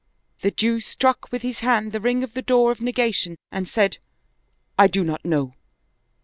The Jew struck with his hand the ring of the door of negation and said :* I do not know.'